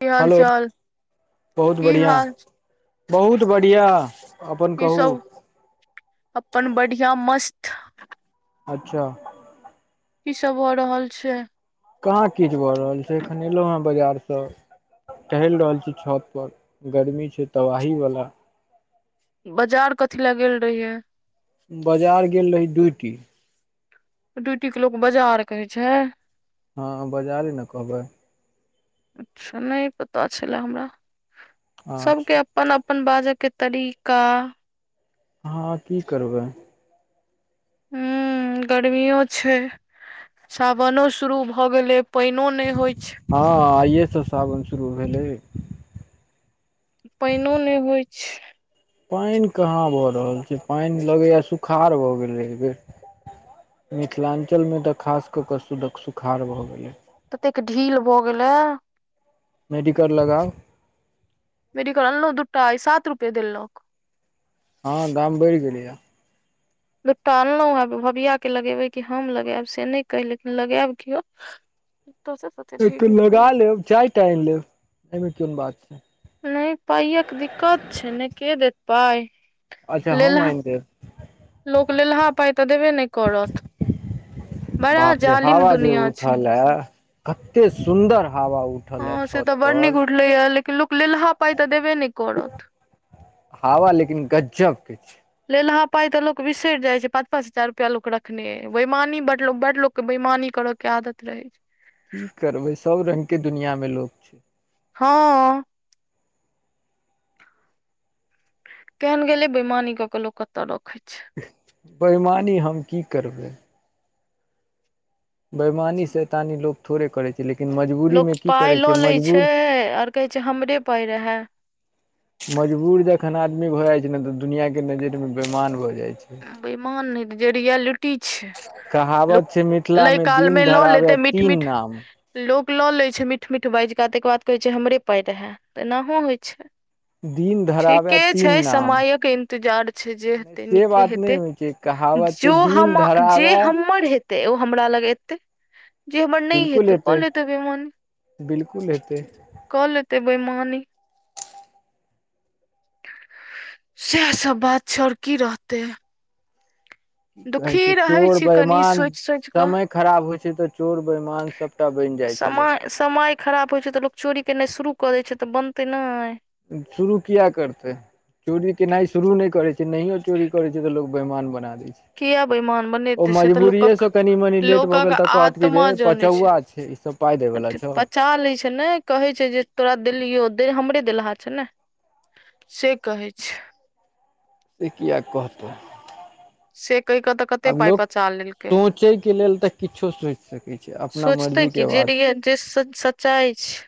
की हाल हेलो चाल? बहुत की बढ़िआं हाल बहुत बढ़िया अपन की कहू। सब अपन बढ़िआ मस्त। अच्छा। ई सब भ रहल छै? कहाँ किछु भऽ रहल छै एखन एलहुँ हेँ बाजारस। टहैल रहल छी छत पर गर्मी छै तबाही वाला। बाजार कथी ले गेल रहिये? बाजार गेल रही डूइटी। ड्यूटी के लोक बाजार कहै छै। हँ बजारे ने कहबै। अच्छा नै पता छलै हमरा। सबके अच्छा अप अपन- अपन बाजै के तरीका हाँ की करबै। हू गर्मियो छै। सावनो शुरू भऽ गेलै पैनो नै हौय छै। हँ आइए सँ सावन शुरू भेलै। पैनो नै होय छै। पैन कहाँ भऽ रहल छै, पैन लगैये सुखाड़ भऽ गेलै ऐय बेर। मिथिलांचल मे तऽ खास ककऽ सु सुखाड़ भऽ गेलै। ततेक ढील भऽ गेले। मेडिकल लगाव। मेेडीकल अनलौ दूटा आय सात रुपए देलक। हँ दाम बैरह गेलैये। दूटा अनलउहे, भबिया के लगेबै, कि हम लगेब से नै कैह लेकिन लगेब कियाे। तुलसी से एकटा लगा लेब, चाय टा ऐन लेब, ऐय मे कोन बात छै। नै, पायक दिक्कत छै ने, के देत पाय। अच्छा हम ऐन देब। लोक लेलहा पाय तऽ देबे नै करत, बड़ा जालिम दुनिया छै। हे कते सुन्दर हावा उ ह से तऽ बड़ नीक उठलैये, लेकिन लोक लेलहा पाय त देबे नै करत। हवा लेकिन गजब के छै लेलहा पाय तऽ लोक बिसैर जाय छै, पाँच- पाँच हजार रुपैया लोक रखने ऐय। बैयमानी बडलोक बडलोक के बैमानी कर के आदत रहै छै। की करबै सब रंग के दुनिया में लोक छै। हँ। क्यान गेलै बेैमानी कऽ क लोक कत रखै छै। बैयमानी हम की करबै। बेैयमानी- सैतानी लोग थोड़े करे लेकिन मजबू लोक पाय लऽ लै छै आर कहै छै, हमरे पाय रहे। मजबूर जखन आदमी भऽ जाय छै न, तऽ दुनिआँके नजैर मे बेैमान भऽ जाय छै। बैमान नैय जे रिएलिटी छैय। कहावत छै, मिथिला मे दिन लऽ धराबे लेतै मीठ तीन मीठ नाम। लोक ल लै छै, मीठ - मीठ बैज क तैके बाद कहै छै, हमरे पाय रहे तऽ एनाहो होय छै। दिन धरावै ठीके तीन छै, नाम समयक इन्तजार छै। जे नहि हेतै से नीक के बात नहि हेतै, होइ छै कहावत छै जो दिन हम, जे धरावै हमर हेतै ओ हमरा लग एतै। जे हमर नै हेतै क लेतै बैयमानी, बिलकुल हेतै की क लेते बैयमानी। सैह सब बात छै। और की रहतै। की कहै दुखी छी, रहै चोर छी कनि बैमान सोचि सोचि कऽ समय खराब होय छै तऽ चोर बैमान सबटा बैन जाय छै लोक। समय समय खराब होइ छैय तऽ लोक चोरी केनाइ शुरू कऽ दै छैय तऽ बनतै ने। शुरू किए करतै? चोरी केनाइ शुरू नहि करै छैय नहियो चोरी करै छै तऽ लोक बेहमान बना दै छैय। किया बेईमान ओ बनेतै से तऽ लोकक मजबूरियेसँ कनि मनि लेट भऽ लोकक गेल तऽ कहत आत्मा जे जनै छै पचौआ छैय ई सब। पाय देबेला अथी पचा लै छैय ने कहै छैय जे तोरा देलियौ हमरे देलहा छैय ने। से कहै छैय। से किए कहतै? से कहि कऽ तऽ कते आब पाइ लोक पचा लेलकै सोचे के लेल तऽ किछो सोचि सकै ये। सोचतै कि जे रियल जे सच्चाइ छैय।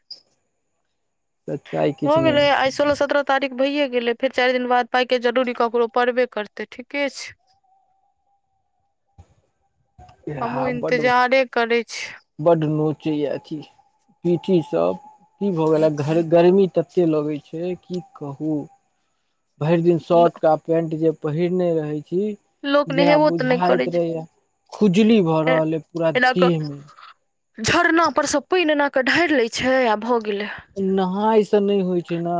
सच्चाइ हो किछु नहि गेलै अइ होइ सोलह सत्रह तारीख भैयए गेलै फेर चारि दिन बाद पाइके जरूरी ककरो पड़बे करतै ठीके छैय। हमहु इंतजारे करै छी। बड नोचे ये अथी पीठी सब की भऽ गेल गर्मी तते लगे छैय की कहू भरि दिन शर्ट आ पैन्ट जे पहिरने रहै छी। लोक जेना नहेबो तऽ नहि करै बुझाइत रहेय खुजली भऽ छै रहल य पूरा एना कऽ देह मे। झरना पर सऽ पानि एना कऽ ढारि लैत छैय आ भऽ गेलै। नहाय से नहि होइ छैय ने।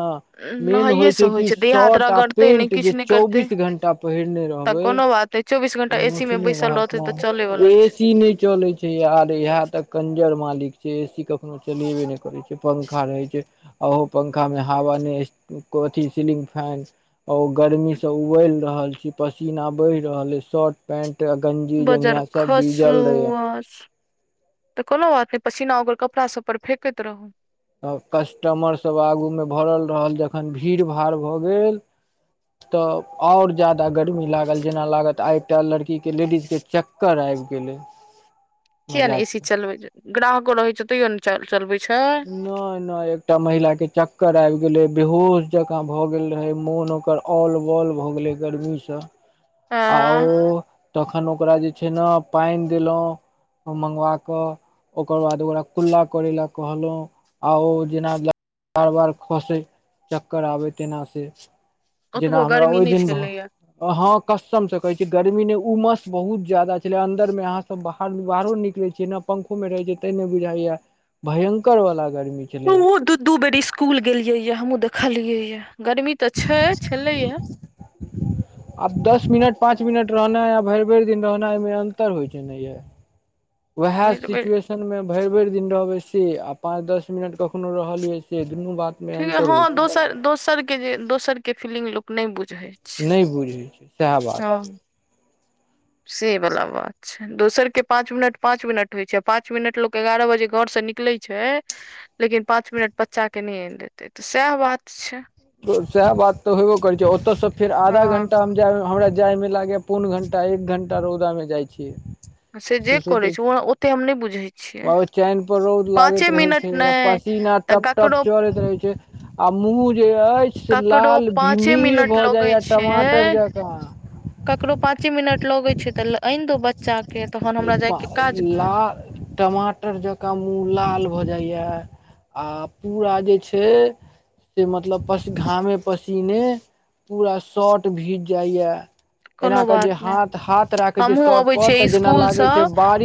मेन होइ नहाइएसँ छैय कि छै देह हाथ शर्ट आ रगड़तै नहि पेंट जे किछु नहि करतै चौबीस घंटा पहिरने रहबै। तैय चौबीस घंटा एसी मे नोचनी बैसल रहत रहतै तऽ न चले वाला ए छै सी नहि चलै छैय। यर इहा त कंजर मालिक छैय ए सी कखनो चलेबे ने करे छैय पंखा रहे छैय। आ ओहो पंखा मे हवा नहि कथी सीलिंग फैन आ ओ गर्मीसँ उबलि रहल छी पसीना बेह रहल अछि शर्ट पेंट गंजी बजर जंगिया सब खसु भीजल रहे ये। तऽ कोनों बात नहि पसीना ओकर कपड़ा सब पर फेकैत रहू। तऽ कस्टमरसभ आगूमे भरल रहल जखन भीड़ भाड़ भऽ गेल तऽ आओर जादा गर्मी लागल जेना लागत आइटा लड़कीके लेडीजके चक कर आबि गेलै। किया महिला नहि ए सी के चलबै छैय ग्राहको रहैत छै तैयो नहि चलबै छैय। नहि नहि एकटा महिला के चक्कर आबि गेले बेहोश जकाँ भऽ गेल रहे मोन ओकर औल बॉल भऽ गेले गर्मीसँ। आ हँ। ओ तखन ओकरा जे छैय ने पानि देलहुँ। मंगवा क ओकर बाद ओकरा कुल्ला करेलक कहलहुँ आउ जेना बार बार खसे चक्कर आबय तेना से जेना ओतबो हमरा गर्मी ओहि नहि दिन भ छलैया अहं कस्सम से कहे छी गर्मी ने उमस बहुत ज्यदा छले अंदर में अहाँ सब बाहर बाहरो निकले छीय। जेना पखोमे रहै छैय तै नहि बुझाइय। भयंकर वाला गर्मी। हमहु दू दू बेर स्सकूल गेलियै ये हमहुँ देखलियै ये, गर्मी तऽ छैय छले ये। आब दस मिनट पाच मिनट रहनाइ अ भरि भरि दिन रहनाइ एहिमे अंतर होइ छैय ने ये। वएह भरि बेर सिचुएशन [unintelligible] मे भैर- भैर दिन रहबै से आ पाँच दस मिनट कखनो रहलयै से दुनू बात- ठी हँ दोसर -दोसर के जे दोसरके फीलिंग लोक नै बुझै छै- नै बुझी सएह हँ बात। से बला बात छै दोसर के पाँच मिनट पाँच मिनट होय छै पाँच मिनट लोक के एगारह बजे घर से निकलै। छै लेकिन पाँच मिनट बच्चा के नै एन देतेै तऽ सएह बात छै। तऽ सएह बात तऽ होयबो करै छै ओतय सँ फेर आधा हँ घंण्टा। जा हमरा जाय मे लागै पौन घण्टा एक घण्टा रौदा मे जाय छियै। से जे करैछै ओ ओते हम नै बुझै छियै। चैनपर रौद लागैत पाँचे रहै मिनट छै नहि पसीना तऽ टप टप ककरो चरैत रहै छै। आ मूँह जे अइछ से ककरो लाल पाँचे भीमीर मिनट भऽ लगै जाइया टमाटर छै जेंका। ककरो पाँचे मिनट लगै छै तऽ एन दौ बच्चा केँ तहन हमरा जायके काज कोन। लाल टमाटर जकाँ मूँह लाल भऽ जाइया आ पूरा जे छै। से मतलब पस घामे पसीने। पूरा शॉर्ट भीज जाइया एना कोनो के बात जे नहि हाथ हाथ रा- हमहुँ अबेै छियै स्कूल सऽ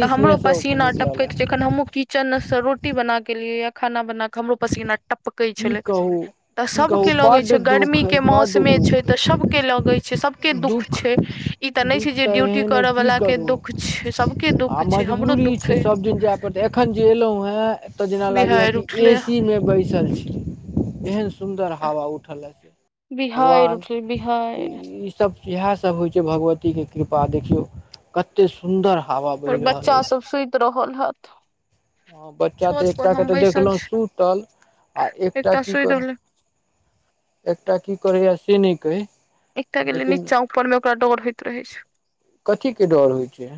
तऽ हमरो मे सब पसीना निकलल ए टपकैत जे- अखन हमहूँ किचन सँ रोटी बना कऽ एलियै या खाना बना कऽ हमरो पसीना टपकै की छेल्लै। कहू तऽ की सब कहू के लगै बड्ड छै गर्मी दुःख के अइ बड्ड मौसमे छै दुःख तऽ सबके लगै छै सबके दुःख छै। ई तऽ नै छै से ड्यूटी। एय मे करऽ की वाला के करू दुःख छै सबके आ दुःख छै हमरो मजबूरी दुःख छै अइ सब दिन जेए परतै एखन जे एलौ हेँ। ओतऽ जेना लागैया बिहाड़ि कि ए उठले सी मे बैसल छी एहन। सुन्दर हवा उठल या बिहाड़ि भगवान। उठले बिहाड़ि [unintelligible] सब इएहे सब होय छै भगवती के कृपा देखियौ। कते सुन्दर हवा हमर बैह रहल बच्चा अइछ। सब सुति रहल हथ। हँ बच्चा तऽ एकटा के तऽ बैसल देखलौ छी सुूतल आ एकटा की सुति कर- रहले एकटा की करेैया से नै कैह। एकटा गेलेै नीचा ऊपर मे ओकरा डर होइत रहै छै। कथी के डर होय छै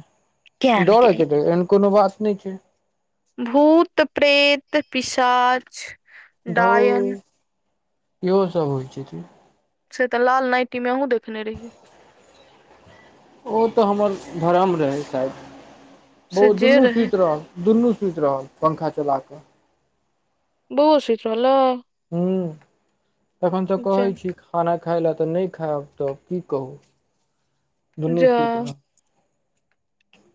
किया ने डरऽ गेलियै के तऽ एहन कोनो बात नै छै। भूत, प्रेत, पिशाच। धू डायन इहो सब होय छैय की- से तऽ लाल नाइटी मे अहुँ देखने रहियै। ओतऽ हमर भरम रहै शायद बो से जे दुनू रहे सुइत रहल। दुनू सुइत रहल पंखा चल कऽ। बौओ सुइत रहलै? हूँ तखन तऽ जा कहै छी। खाना खाय लए तऽ नै खेएब तब की कहू दुनू जा सुइत रहल।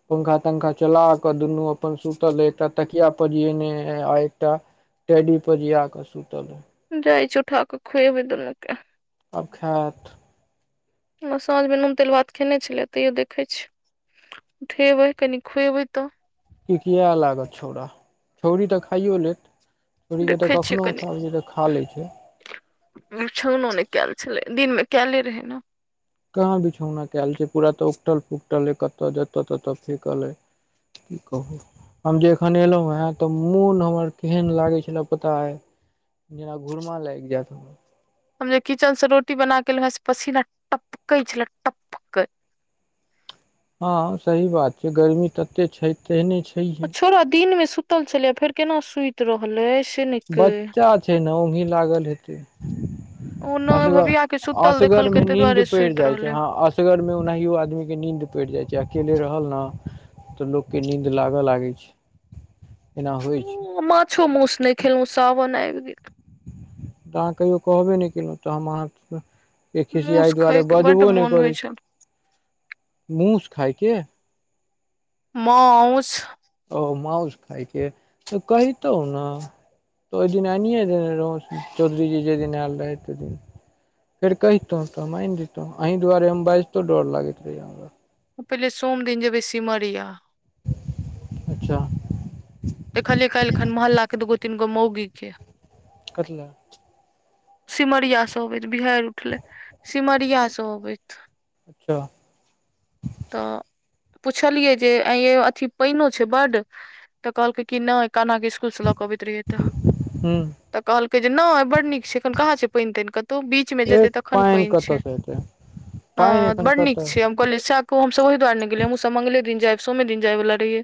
पंखा -तंखा चला कऽ दुनू अपन सुतल अइ एकटा तकिया पजियने ए आ एकटा। टेैडी पजीया कऽ सुतल है। जाय छी उठा के खुएबै दुन के। आब खेएत? ओन साँझमे नून तेल भात खेने छेलै तैयो देखै छीै। उठेबै कनि खुएबै तऽ। किकिए लागत छौड़ा छौरी तऽ खाइयो लेएत। छोरी के तऽ कखनो उठाबै हियै तऽ खा लै छै। बीछओना नै केएल छेलै दिनमे केएले रहै न। कहाँ बीछौना कयल छैय पूरा तऽ उकटल फुकटल ये कतऽ जतऽ ततऽ फेकल अय। की कहू हम जे एखन एलौं हैं तऽ मोन हमर केहैन लागे छलै पता अय। जेना घुुरमा लाइग जैत। हम जे किचन सऽ रोटी बना के एलौं हैं से पसीना टपकै छलै टप हँ सही बात छैय गर्मी तते छैय तेहने छैहे। छोड़ा दिन में सुत्तल छलैया फेर केना सुइत रहलै। से नहि कहि बच्चा छैय न ओंघी लागल हेतै। ओ नहि असगर भबिया के सुतल असगर देखलकै में ताहि नीन्द दुआरे पैड़ सुति जाइ छैय रहलै हँ अस गर में ओनाहियो आदमी के नीन्द पैड़ जाइ छैय अकेले रहल न तऽ लोक के नींद लागऽ लागै छैय एना होइ छैय। माछो मौस नै खेलौं सावन एब गेल। तऽ अहाँ कहियो कहबे नहि केलौं तऽ हम अहाँ के खिसियाई मौस दुआरे खायके बड्ड बजबो नहि मोन होइ करै छल छी मूस खायके माउस ओ मउस खायके तऽ कहितौं न। तऽ ओय दिन ऐनिये देने रहौं चौधरी जी जे दिन एल रहैथ तय दिन। फेर कहितौं तऽ हम ऐन दयतौं अहीं दुआरे हम बाइजतो डर लागैत रहैया हमरा। पहिले सोम दिन जेबै सीमरिया। अच्छा। देखलियै कैल खन मोहल्ला के दूगो तीन गो मौगी के। कथिलै? सिमरिया सऽ अबैत बिहैर उठलै सिमरिया सऽ अबैत। अच्छा। तऽ पुछलियै जे आंय यो अथी पइनो छैय बड्ड? तऽ कहलकै कि नहि काना के इस्कूल से लऽ कऽ अबैत रहियै। तह हूँ तऽ कहलकै जे नहि बड नीक छैय एखन कहाँ छै पैन-तैन कतौ बी बीच में जेतै एक तखन पानि पैन छैय कतऽसँ एतै पानि हाँ एखन बड्ड नीक कतऽ छैय हम कहलियै सैह कहु हमसब ओहि दुआरे नहि गेलै हमहूं सब मंगले दिन जैब सोमे दिन जाय वला रहियै।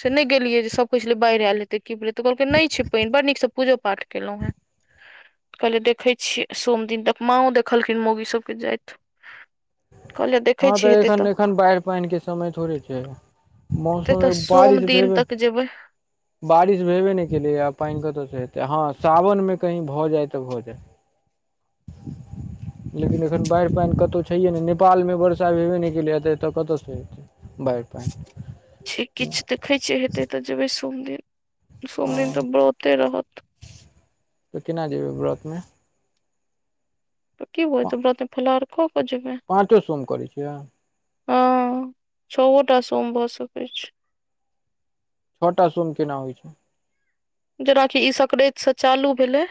से नहि गेलियै जे सब कहै छलै बाइढ़ एल हेत्ते कि भेलै तऽ कहलकै नहि छैय पैन बड़ नीक सऽ पूजो पाठ केलौं। [inaudible] कहलियै देखै छियै सोम दिन तऽ माँओ देखलखिन मौगी सबके जैत। हँ तऽ एखन एखन बाइढ़ पइन के समय थोड़े छैय। एते मौसम तऽ में बारिश सोम दिन भेबे तक जेबै बारिश भेबे नहि केलैया पाइन कतऽ स हेतै हँ सावन में कहीँ भऽ जाय तऽ भऽ जाय। लेकिन एखन बाइढ़ पैन कतौ छैहे नहि नेपाल में वर्षा भेबे नहि केलैए तऽ एतऽ कतऽ सँ हेतै। बाढि पैन छैय किछ देखै छियै हेतै तऽ जेबै सोम दिन सोम दिन हँ तऽ ब्रते रहत। तऽ केना जेबै व्रत में। तऽ की भऽ जेतै व्रते फल्हार कऽ कऽ जेबै। पाँचो सोम करै छियै? हँ छओटा सोम भऽ सकै छैय। छटा सोम केना होइ छैय। जेनाकि ई सक्रैत सऽ चालू भेलै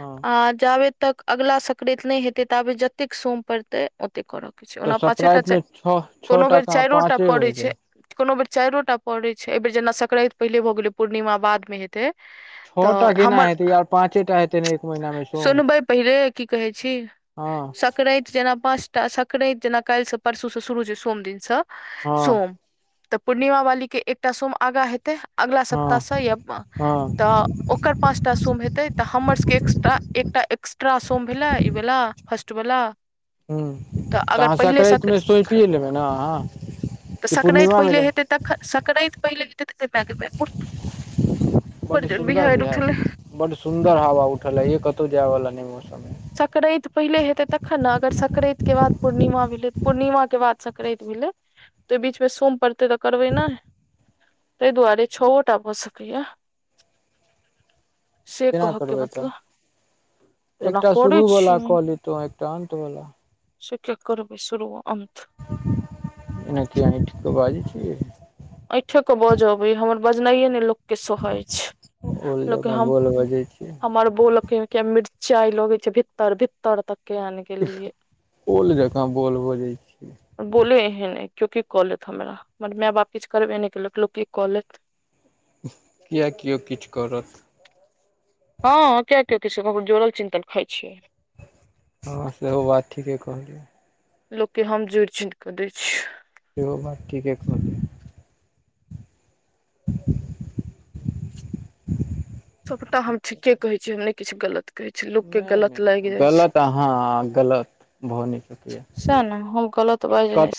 हँ आ जाबे तक अगला सक्रैत नै हेतै ताबे जतेक सोम पड़तै। ओते करऽ के छै, तऽ ओना पाँचेटा सप्राइत चै मे छओ छओ कोनो टा बेर कहाँ चाएरोटा पाँचे पड़ै होइ छै। कुनू बेर चाएरोटा पड़े छै, एबेर जेना सक्रैत पहिले भऽ गेलै पूर्णिमा बाद मे हे तै तऽ हमर पाँचेटा हे तै ने एक महीना मे। सोम सुनबै पैहले की कहे छी, हँ सक्रैत जेना पाँच टा सक्रैत जेना काएल से, परसू से शुरू छै सोम दिन से हँ सोम। तऽ पूर्णिमा वाली के एकटा सोम अगाँ हेतै। अगला सप्ताह हँ से या आ हँ तऽ ओकर पाँचटा सोम हेतै तऽ हमर सबके तऽ एकटा एक्स्ट्रा सोम भेलै ई वला फर्स्ट वला। हुं तऽ अगर अहाँ पहिले सक्रैत सक मे सौपिये लेबै ना अहाँ। तऽ कि सक्रैत पूर्णिमा मे पहिले जा हेतै तखन सक्रैत पहिले हेतै ते गे माय गे माय पुर बड सुन्दर बिहैर, बड सुन्दर हवा उठल है ये कतौ जाय वला नेै मौसम सक्रैत पहिले हेतै तखन ना अगर सक्रैत के बाद पूर्णिमा भेलै। पूर्णिमा के बाद सक्रैत भेलै तऽ बीच मे सोम पड़तै तऽ करबै नेै। तै दुआरे छओटा भऽ सकैया से केना कह के करबै तऽ मतलब। जेना एकटा शुरू करै वला छियै कऽ लैतो, एकटा अंत वला। से के करबै शुरू अंत। एना किया अैठ के बाजै छियै ये। ऐैठे कऽ बजऽ अबैया हमर बजनाइये नै लोक के सोहाय छै, ओल लोक के जकाँ हम बोल बजै छियै हमर बोल के के मिर चाय लगै छै भीतर-भीतर तक। के आनि गेलियै ओल जकाँ बोल बजै छियै बोले एहन एैय कियो की कऽ लेत हमरा, हमर माय-बाप किछ करबे नै केलक लोक की कऽ लेत। किया कियो किछ करत। हां किया कियो किछ ककरो जोड़ल चिन्तल खाय छियै। हां सेहो बात ठीके कहलियै। लोक के हम जोड़ चिन कऽ दै छियै। सेहो बात ठीके कहलियै। सबटा हम ठीके कहै छीयै, हम नै किछ गलत कहै छीयै लोक के नहि गलत लाग नहि जाय छै, गलत अहाँ गलत भऽ नहि सकैया साएह नै हम गल तऽ बाएज नै सकै